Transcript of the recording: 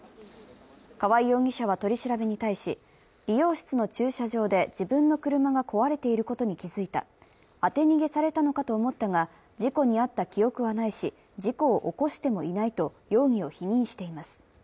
川合容疑者は取り調べに対し、理容室の駐車場で自分の車が壊れていることに気づいた、当て逃げされたのかと思ったが、事故に遭った記憶もないし事故を起こしてもいないと容疑を否認しています。